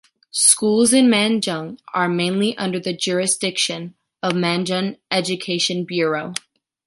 Schools in Manjung are mainly under the jurisdiction of Manjung Education Bureau.